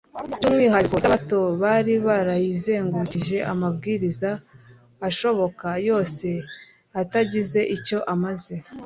By’umwihariko, Isabato bari barayizengurukije amabwiriza ashoboka yose atagize icyo amaze